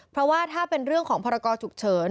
เพราะว่าถ้าเป็นเรื่องของพรกรฉุกเฉิน